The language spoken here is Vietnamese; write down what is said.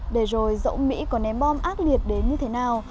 để rồi dẫu mỹ có ném bom ác liệt đến như thế nào